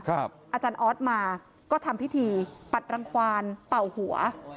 อาจารย์ออสมาก็ทำพิธีปัดรังควานเป่าหัว